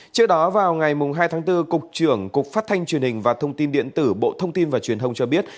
trước đó vào ngày hai tháng bốn cục trưởng cục phát thanh truyền hình và thông tin điện tử bộ thông tin và truyền thông cho biết